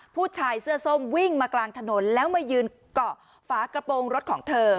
ผู้ชายเสื้อส้มวิ่งมากลางถนนแล้วมายืนเกาะฝากระโปรงรถของเธอ